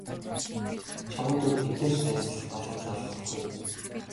Чамд өөр хэнтэй ч найзлах боломж олгохгүй.